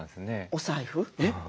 お財布。